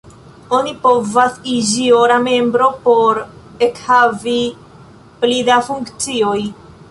Oni povas iĝi ora membro por ekhavi pli da funkcioj.